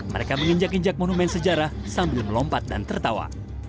mereka menginjak injak monumen sejarah sambil melompat dan tertawa